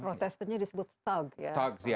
protesternya disebut thugs ya